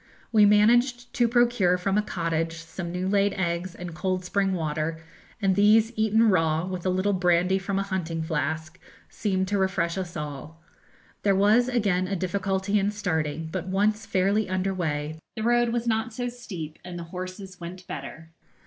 We managed to procure from a cottage some new laid eggs and cold spring water, and these eaten raw, with a little brandy from a hunting flask, seemed to refresh us all. There was again a difficulty in starting, but, once fairly under way, the road was not so steep and the horses went better.